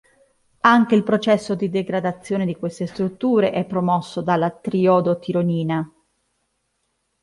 Anche il processo di degradazione di queste strutture è promosso dalla triiodotironina.